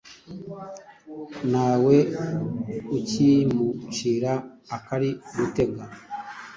Ntawe ukimucira akari uritega "